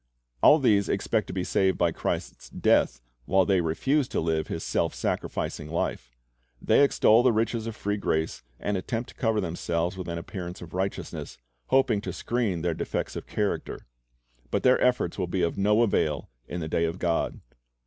All these expect to be saved by Christ's death, while they refuse to live His self sacrificing life. They extol the riches of free grace, and attempt to cover themselves witii an appearance of righteousness, hoping to screen their defects of character; but their efforts will be of no avail in the day of God.